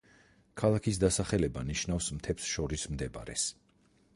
ქალაქის დასახელება ნიშნავს მთებს შორის მდებარეს.